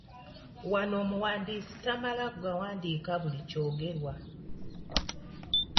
Wano omuwandiisi tamala gawandiika buli kyogerwa.